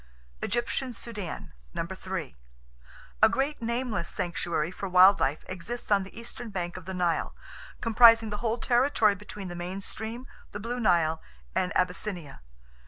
Egyptian Sudan: 3. A great nameless sanctuary for wild life exists on the eastern bank of the Nile, comprising the whole territory between the main stream, the Blue Nile and Abyssinia.